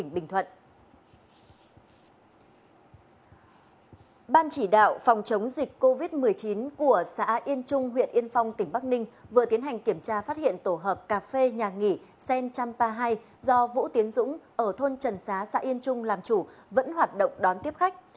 dịch covid một mươi chín của xã yên trung huyện yên phong tỉnh bắc ninh vừa tiến hành kiểm tra phát hiện tổ hợp cà phê nhà nghỉ sen một trăm ba mươi hai do vũ tiến dũng ở thôn trần xá xã yên trung làm chủ vẫn hoạt động đón tiếp khách